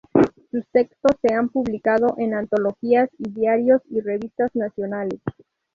Sus textos se han publicado en antologías y diarios y revistas nacionales.